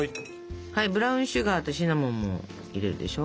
ブラウンシュガーとシナモンも入れるでしょ。